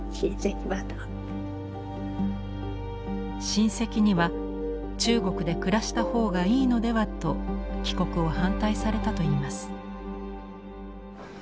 親戚には中国で暮らした方がいいのではと帰国を反対されたといいます。